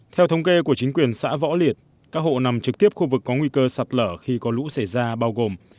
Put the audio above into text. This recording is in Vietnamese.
theo thống kê của chính quyền xã võ liệt các hộ nằm trực tiếp khu vực có nguy cơ sạt lở khi có lũ xảy ra bao gồm